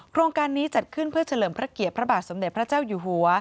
โครงการนี้จัดขึ้นเพื่อเฉลิมพระเกียรติพระบาทสมเด็จพระเจ้าอยู่หัว